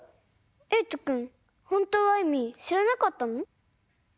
えいとくんほんとうはいみしらなかったの？